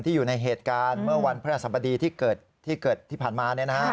อยู่ในเหตุการณ์เมื่อวันพระราชสมดีที่เกิดที่ผ่านมา